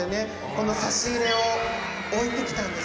この差し入れを置いてきたんですけども」